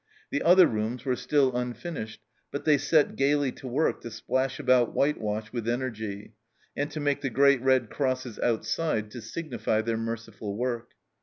The other rooms were still unfinished, but they set gaily to work to splash about whitewash with energy, and to make the great red crosses outside to signify their merciful work.